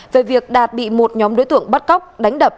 về việc đạt bị một nhóm đối tượng bắt cóc đánh đập